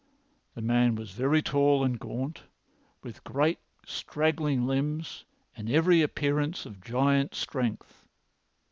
The man was very tall and gaunt, with great straggling limbs and every appearance of giant strength.